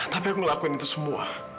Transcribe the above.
tapi aku ngelakuin itu semua